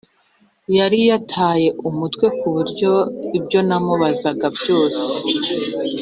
Yari yataye umutwe ku buryo ibyo namubazaga byose